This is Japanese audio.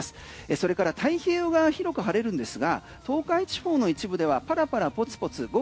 それから太平洋、広く晴れるんですが東海地方の一部ではパラパラポツポツ極